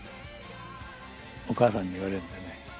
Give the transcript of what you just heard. お母さんに言われるんだよね。